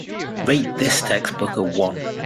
rate this textbook a one